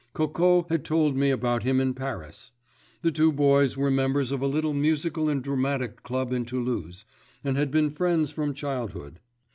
Coco had told me about him in Paris. The two boys were members of a little musical and dramatic club in Toulouse, and had been friends from childhood.